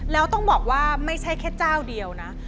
แล้วต้องบอกว่าไม่ใช่แค่เจ้าเดียวนะ